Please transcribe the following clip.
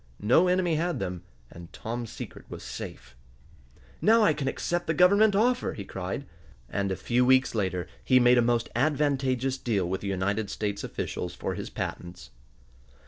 No enemy had them, and Tom's secret was safe. "Now I can accept the Government offer!" he cried. And a few weeks later he made a most advantageous deal with the United States officials for his patents.